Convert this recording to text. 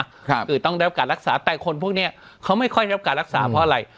คือต้องได้รับการรักษาแต่คนพวกนี้เขาไม่ค่อยได้รับการรักษาเพราะอะไร